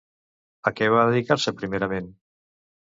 A què va dedicar-se primerament?